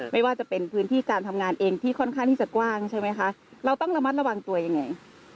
ไม่ว่าจะเป็นพื้นที่การทำงานเองที่ค่อนข้างที่จะกว้างใช่ไหมคะเราต้องระมัดระวังตัวยังไง